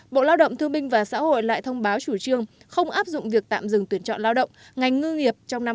bộ lao động thương binh và xã hội lại thông báo chủ trương không áp dụng việc tạm dừng tuyển chọn lao động ngành ngư nghiệp trong năm hai nghìn hai mươi